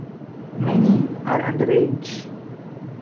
Many are underage.